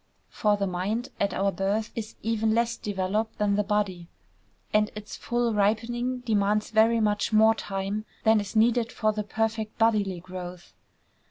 For the mind, at our birth, is even less developed than the body; and its full ripening demands very much more time than is needed for the perfect bodily growth.